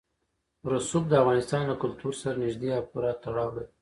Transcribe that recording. رسوب د افغانستان له کلتور سره نږدې او پوره تړاو لري.